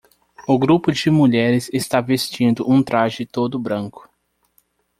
O grupo de mulheres está vestindo um traje todo branco.